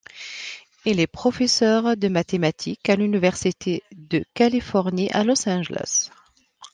Il est professeur de mathématiques à l'Université de Californie à Los Angeles.